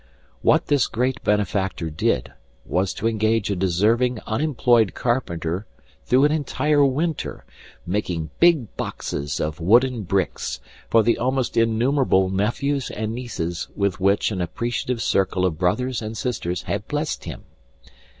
What this great benefactor did was to engage a deserving unemployed carpenter through an entire winter making big boxes of wooden bricks for the almost innumerable nephews and nieces with which an appreciative circle of brothers and sisters had blessed him.